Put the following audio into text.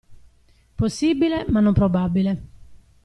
Possibile, ma non probabile!